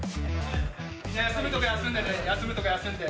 みんな休むところは休んでね、休むところは休んで。